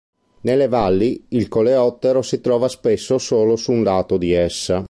Nelle valli, il coleottero si trova spesso solo su un lato di essa.